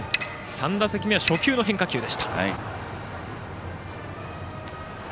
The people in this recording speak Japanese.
３打席目は初球の変化球でした。